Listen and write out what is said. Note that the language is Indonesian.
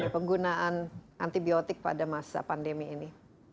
penggunaan antibiotik pada masa pandemi ini